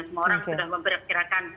semua orang sudah memperkirakan